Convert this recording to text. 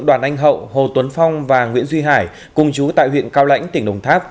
đoàn anh hậu hồ tuấn phong và nguyễn duy hải cùng chú tại huyện cao lãnh tỉnh đồng tháp